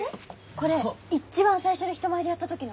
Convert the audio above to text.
これいっちばん最初に人前でやった時の！